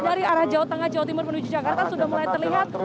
dari arah jawa tengah jawa timur menuju jakarta sudah mulai terlihat